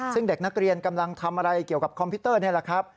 ซึ่งเด็กนักเรียนกำลังทำอะไรเกี่ยวกับคอมพิวเตอร์นี่แหละครับ